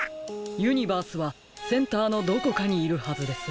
ユニバースはセンターのどこかにいるはずです。